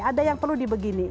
ada yang perlu dibegini